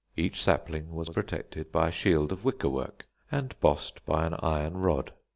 Each sapling was protected by a shield of wickerwork and bossed by an iron rod.